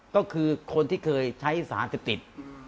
ก็คือคนที่เคยใช้สารเสพติด